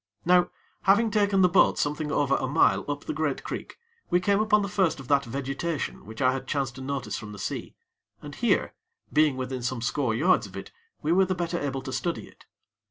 Now, having taken the boat something over a mile up the great creek, we came upon the first of that vegetation which I had chanced to notice from the sea, and here, being within some score yards of it, we were the better able to study it.